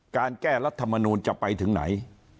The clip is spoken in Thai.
การแก้รัฐมนูลจะไปถึงไหน